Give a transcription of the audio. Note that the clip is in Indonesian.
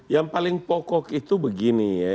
yang paling pokok itu begini ya